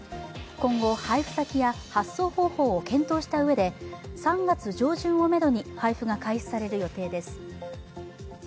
今後、配布先や発送方法を検討したうえで３月上旬をめどに配布が開始される予定です。